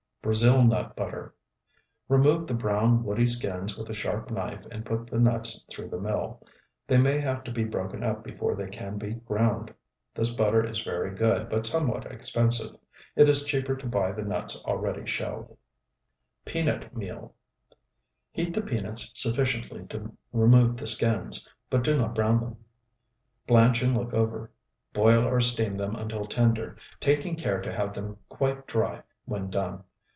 BRAZIL NUT BUTTER Remove the brown, woody skins with a sharp knife and put the nuts through the mill. They may have to be broken up before they can be ground. This butter is very good, but somewhat expensive. It is cheaper to buy the nuts already shelled. PEANUT MEAL Heat the peanuts sufficiently to remove the skins, but do not brown them. Blanch and look over. Boil or steam them until tender, taking care to have them quite dry when done.